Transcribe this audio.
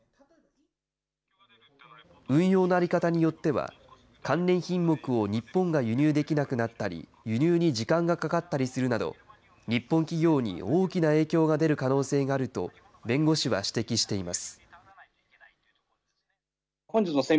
運用の在り方によっては、関連品目を日本が輸入できなくなったり、輸入に時間がかかったりするなど、日本企業に大きな影響が出る可能性があると、弁護士は指摘しています。